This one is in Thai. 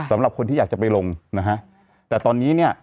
สำหรับคนที่อยากจะไปลงนะฮะแต่ตอนนี้เนี่ย